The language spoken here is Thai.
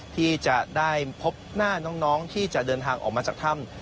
ที่จะได้พบหน้าน้องที่จะเดินทางออกมาจากถ้ำ